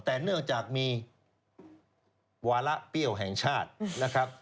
แต่เนื่องจากมีวาระเปรี้ยวแห่งชาตินะครับ